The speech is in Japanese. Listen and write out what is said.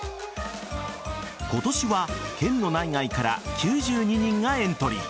今年は県の内外から９２人がエントリー。